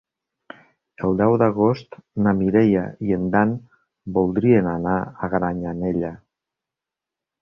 El deu d'agost na Mireia i en Dan voldrien anar a Granyanella.